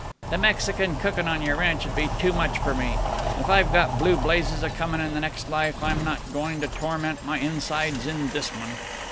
"The Mexican cookin' on your ranch'd be too much for me. If I've got blue blazes a comin' in the next life, I'm not goin' to torment my insides in this one!"